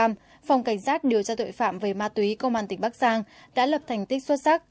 phòng cảnh sát điều tra tội phạm về ma túy công an tỉnh bắc giang đã lập thành tích xuất sắc